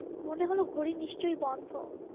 মনে হল, ঘড়ি নিশ্চয় বন্ধ।